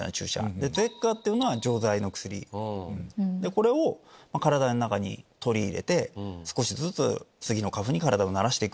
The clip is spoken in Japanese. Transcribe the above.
これを体の中に取り入れて少しずつスギの花粉に体を慣らしていく。